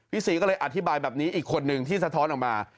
ศรีก็เลยอธิบายแบบนี้อีกคนนึงที่สะท้อนออกมา